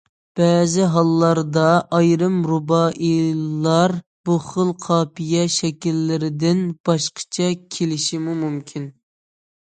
بەزى ھاللاردا ئايرىم رۇبائىيلار بۇ خىل قاپىيە شەكىللىرىدىن باشقىچە كېلىشىمۇ مۇمكىن.